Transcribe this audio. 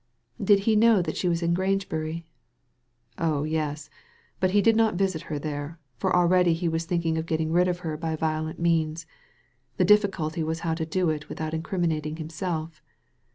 ^ Did he know that she was in Grangebury ?" "Oh yes; but he dW not visit her there, for already he was thinking of getting rid of her by violent means. The difficulty was how to do it without incriminating himself.